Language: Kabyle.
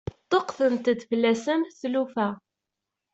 Ṭṭuqqtent-d fell-asen tlufa.